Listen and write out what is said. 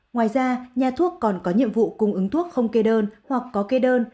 ngoài ra nhà thuốc còn có nhiệm vụ cung ứng thuốc không kê đơn hoặc có kê đơn